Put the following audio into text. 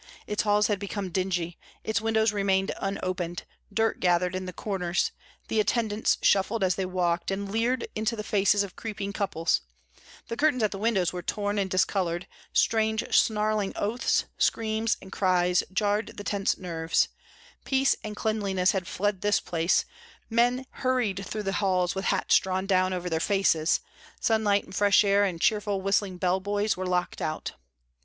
Its halls had become dingy; its windows remained unopened; dirt gathered in the corners; the attendants shuffled as they walked, and leered into the faces of creeping couples; the curtains at the windows were torn and discoloured; strange snarling oaths, screams, and cries jarred the tense nerves; peace and cleanliness had fled the place; men hurried through the halls with hats drawn down over their faces; sunlight and fresh air and cheerful, whistling bellboys were locked out.